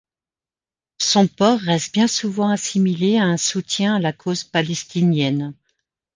Son port reste bien souvent assimilé à un soutien à la cause palestinienne.